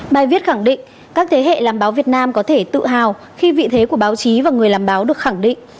bài viết khẳng định các thế hệ làm báo việt nam có thể tự hào khi vị thế của báo chí và người làm báo được khẳng định